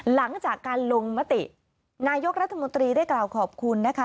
หลังจากการลงมตินายกรัฐมนตรีได้กล่าวขอบคุณนะคะ